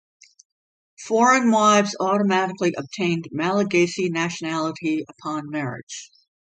Foreign wives automatically obtained Malagasy nationality upon marriage.